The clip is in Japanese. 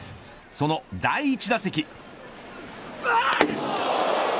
その第１打席。